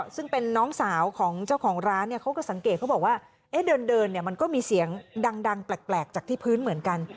ซึ่งเป็นน้องสาวของเจ้าของร้านเนี่ยเขาก็สังเกตเขาบอกว่าเดินมันก็มีเสียงดังแปลกจากที่พื้นเหมือนกัน